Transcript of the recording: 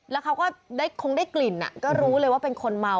แล้วเขาก็คงได้กลิ่นก็รู้เลยว่าเป็นคนเมา